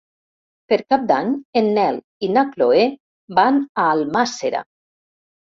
Per Cap d'Any en Nel i na Chloé van a Almàssera.